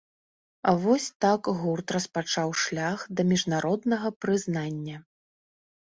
Вось так гурт распачаў шлях да міжнароднага прызнання.